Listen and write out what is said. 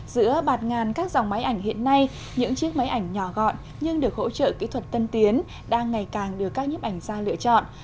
giữa bạt ngàn các dòng máy ảnh hiện nay những chiếc máy ảnh nhỏ gọn nhưng được hỗ trợ kỹ thuật tân tiến đang ngày càng được các nhiếp ảnh gia lựa chọn